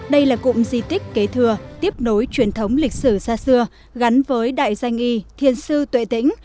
đây là cụm di tích kế thừa tiếp nối truyền thống lịch sử xa xưa gắn với đại danh y thiên sư tuệ tĩnh